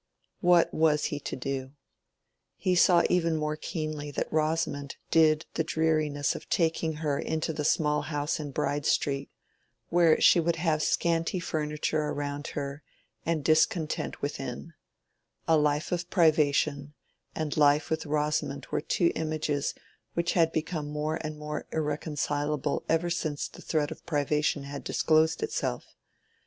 What was he to do? He saw even more keenly than Rosamond did the dreariness of taking her into the small house in Bride Street, where she would have scanty furniture around her and discontent within: a life of privation and life with Rosamond were two images which had become more and more irreconcilable ever since the threat of privation had disclosed itself.